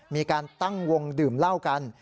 มีการตั้งวงดื่มเหล้ากัน